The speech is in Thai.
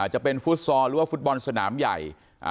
จะเป็นฟุตซอลหรือว่าฟุตบอลสนามใหญ่